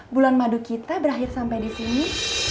bulan madu kita berakhir sampe disini